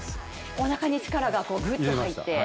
おなかに力がぐっと入って。